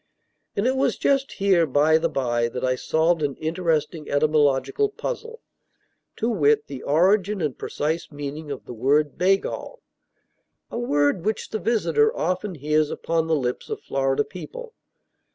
And it was just here, by the bye, that I solved an interesting etymological puzzle, to wit, the origin and precise meaning of the word "baygall," a word which the visitor often hears upon the lips of Florida people.